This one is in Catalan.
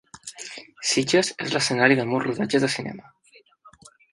Sitges és l'escenari de molts rodatges de cinema.